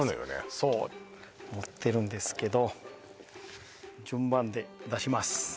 そう持ってるんですけど順番で出します